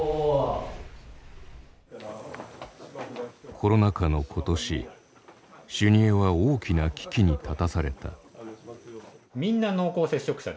コロナ禍の今年修二会は大きな危機に立たされた。